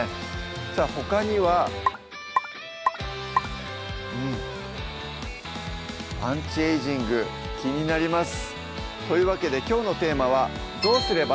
さぁほかにはうんアンチエイジング気になりますというわけできょうのテーマは「どうすれば？